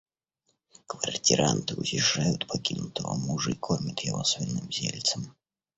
Квартиранты утешают покинутого мужа и кормят его свиным зельцем.